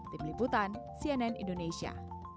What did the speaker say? tim liputan cnn indonesia